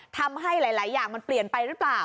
ทำให้หลายอย่างมันเปลี่ยนไปหรือเปล่า